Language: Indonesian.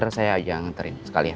biar saya aja nganterin sekalian